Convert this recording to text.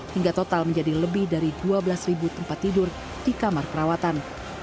hingga total menjadi lebih dari dua belas tempat tidur di kamar perawatan